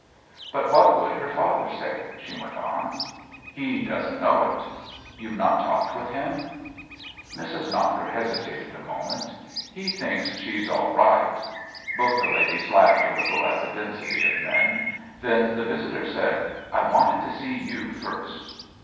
But what would her father say?" she went on. " He doesn't know it." " You've not talked with him ?" Mrs. Knocker hesitated a moment. " He thinks she's all right." Both the ladies laughed a little at the density of men ; then the visitor said :" I wanted to see you first."